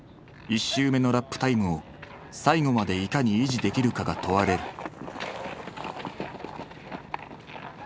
１周目のラップタイムを最後までいかに維持できるかが問われる。